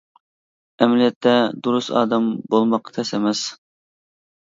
ئەمەلىيەتتە دۇرۇس ئادەم بولماق تەس ئەمەس.